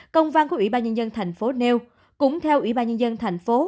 công văn của ủy ban nhân dân tp neo cũng theo ủy ban nhân dân tp